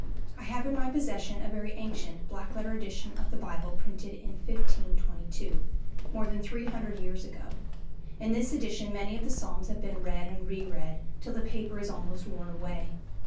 I have in my possession a very ancient black letter edition of the Bible printed in 1522, more than three hundred years ago. In this edition many of the Psalms have been read and re read, till the paper is almost worn away.